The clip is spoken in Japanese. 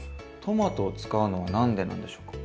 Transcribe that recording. トマトを使うのは何でなんでしょうか？